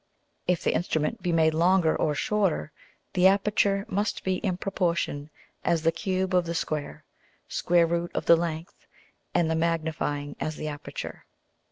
If the Instrument be made longer or shorter, the aperture must be in proportion as the Cube of the square square Root of the length, and the magnifying as the aperture.